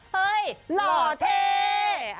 เห้ยหล่อเท